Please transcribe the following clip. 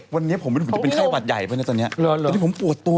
วันนี้ฉันอยู่กับกันได้ตั้งนานแล้วฉันเหนื่อยเถอะ